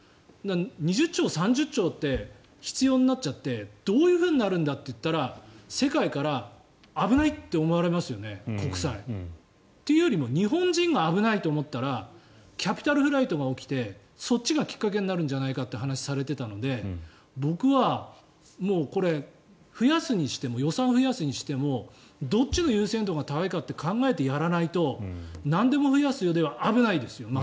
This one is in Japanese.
２０兆、３０兆って必要になっちゃってどういうふうになるんだというと世界から危ないって思われますよね国債。というよりも日本人が危ないと思ったらキャピタルフライトが起きてそっちがきっかけになるんじゃないかという話をされていたので僕はこれは予算を増やすにしてもどっちの優先度が高いかと考えてやらないとなんでも増やすよでは危ないですよ。